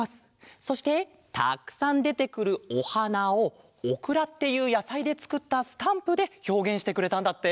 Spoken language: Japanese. そしてたくさんでてくるおはなをオクラっていうやさいでつくったスタンプでひょうげんしてくれたんだって。